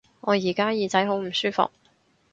我而家耳仔好唔舒服